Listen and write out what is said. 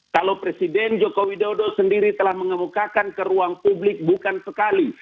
kalau presiden joko widodo sendiri telah mengemukakan ke ruang publik bukan sekali